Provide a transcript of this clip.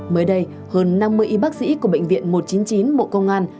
mới đây hơn năm mươi y bác sĩ của bệnh viện một trăm chín mươi chín bộ công an